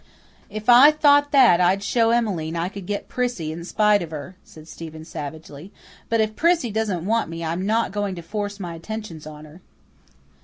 "If I thought that I'd show Emmeline I could get Prissy in spite of her," said Stephen savagely. "But if Prissy doesn't want me I'm not going to force my attentions on her."